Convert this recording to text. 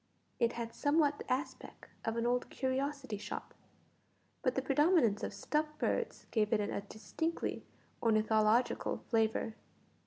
It had somewhat the aspect of an old curiosity shop, but the predominance of stuffed birds gave it a distinctly ornithological flavour.